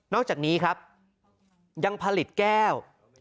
อกจากนี้ครับยังผลิตแก้ว